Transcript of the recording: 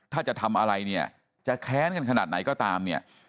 ถ้าจะทำอะไรเนี่ยจะแค้นกันขนาดไหนก็ตามเนี่ย